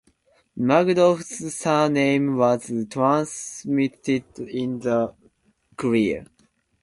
Magdoff's surname was transmitted in the clear.